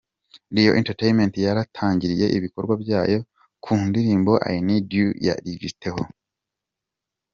Real Entertainment yatangiriye ibikorwa byayo ku ndirimo "I need you" ya Dj Theo.